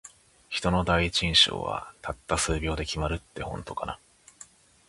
人の第一印象は、たった数秒で決まるって本当かな。